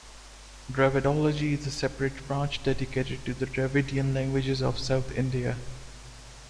Dravidology is the separate branch dedicated to the Dravidian languages of South India.